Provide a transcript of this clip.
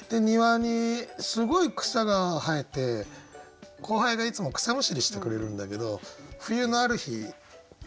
庭にすごい草が生えて後輩がいつも草むしりしてくれるんだけど冬のある日